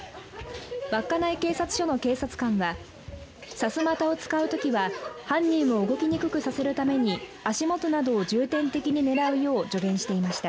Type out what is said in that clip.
稚内警察署の警察官はさすまたを使うときは犯人を動きにくくさせるために足元などを重点的にねらうよう助言していました。